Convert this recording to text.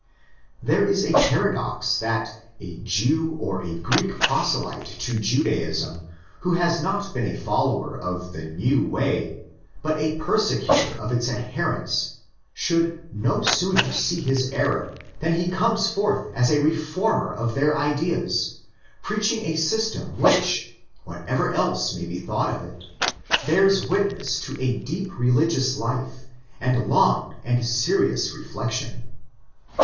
There is the paradox that a Jew or a Greek proselyte to Judaism, who has not been a follower of the new '' way," but a persecutor of its adherents, should no sooner see his error than he comes forth as a reformer of their ideas; preaching a system which, whatever else may be thought of it, bears witness to a deep religious life and long and serious reflection.